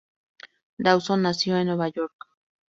Dawson nació en Nueva York.